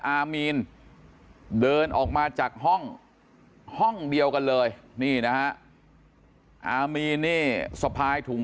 อามีนเดินออกมาจากห้องห้องเดียวกันเลยนี่นะฮะอามีนนี่สะพายถุง